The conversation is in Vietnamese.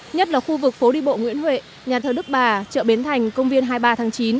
nhất là khu vực phố đi bộ nguyễn huệ nhà thờ đức bà chợ bến thành công viên hai mươi ba tháng chín